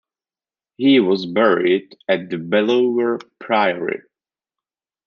He was buried at the Belvoir Priory.